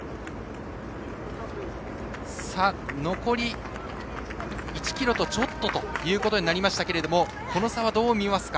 残り１ｋｍとちょっととなりましたけれどもこの差、どう見ますか。